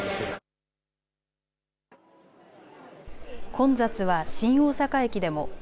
混雑は新大阪駅でも。